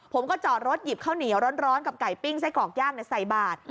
จอดรถหยิบข้าวเหนียวร้อนกับไก่ปิ้งไส้กรอกย่างใส่บาท